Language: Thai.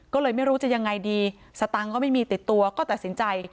ก็เลยไม่รู้จะยังไงดีสตังค์ก็ไม่มีติดตัวก็ตัดสินใจ